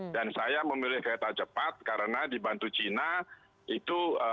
dan saya memilih kereta cepat karena dibantu cina itu